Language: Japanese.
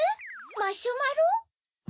マシュマロ？